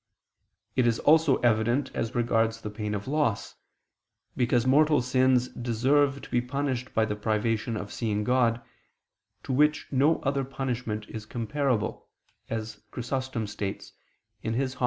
It is also evident as regards the pain of loss, because mortal sins deserve to be punished by the privation of seeing God, to which no other punishment is comparable, as Chrysostom states (Hom.